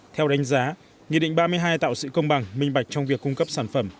theo đánh giá nghị định ba mươi hai tạo sự công bằng minh bạch trong việc cung cấp sản phẩm